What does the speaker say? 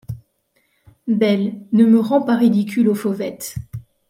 Belle, ne me rends pas ridicule aux fauvettes.